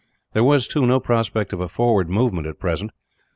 There was, too, no prospect of a forward movement, at present.